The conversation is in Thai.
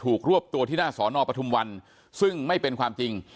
รวบตัวที่หน้าสอนอปทุมวันซึ่งไม่เป็นความจริง